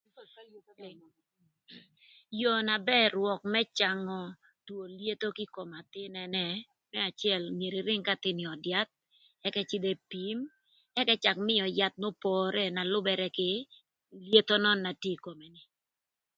Yoo na bër rwök më cangö twö lyetho kï kom athïn ënë më acël myero ïrïng k'athïn ï öd yath ëk ëcïdh epim ëk ëcak mïö yath n'opore na lübërë kï lyetho nön na tye ï kome ni.